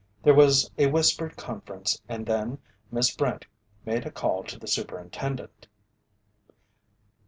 There was a whispered conference and then Miss Brent made a call to the superintendent.